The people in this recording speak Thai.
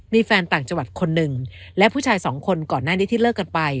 มีแฟนต่างจังหวัดคนหนึ่งและผู้ชายสองคนก่อนหน้านี้ที่เลิกกันไป